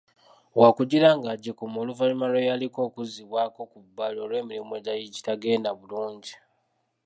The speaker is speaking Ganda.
Waakugira ng'agikuuma oluvannyuma lw'eyaliko okuzzibwako ku bbali olw'emirimu egyali gitagenda bulungi.